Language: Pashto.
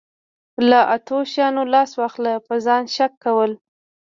له اتو شیانو لاس واخله په ځان شک کول.